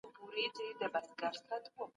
اقتصادي بنسټونه باید پیاوړي سي.